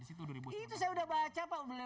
situ itu saya udah baca pak